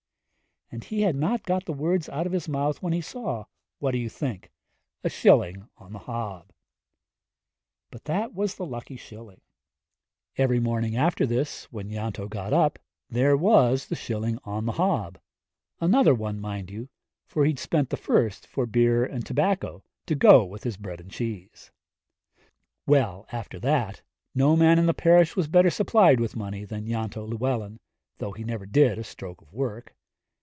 And he had not got the words out of his mouth when he saw what do you think? a shilling on the hob! But that was the lucky shilling. Every morning after this, when Ianto got up, there was the shilling on the hob another one, you mind, for he'd spent the first for beer and tobacco to go with his bread and cheese. Well, after that, no man in the parish was better supplied with money than Ianto Llewellyn, though he never did a stroke of work.